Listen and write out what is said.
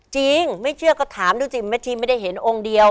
ไม่เชื่อก็ถามดูสิแม่ชีไม่ได้เห็นองค์เดียว